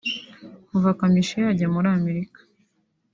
Kuva Kamichi yajya muri Amerika